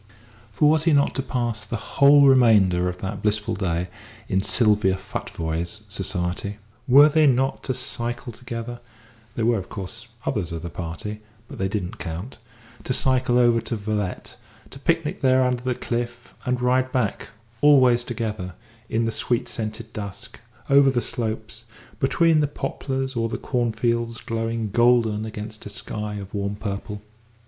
For was he not to pass the whole remainder of that blissful day in Sylvia Futvoye's society? Were they not to cycle together (there were, of course, others of the party but they did not count), to cycle over to Veulettes, to picnic there under the cliff, and ride back always together in the sweet scented dusk, over the slopes, between the poplars or the cornfields glowing golden against a sky of warm purple?